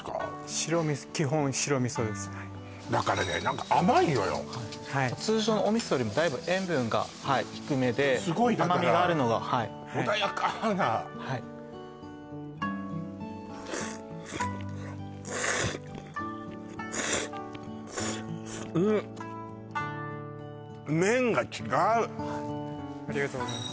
白味噌基本白味噌ですはいだからね何か甘いのよはい通常のお味噌よりもだいぶ塩分が低めですごいだから甘みがあるのがはい穏やかなはいうんはいありがとうございます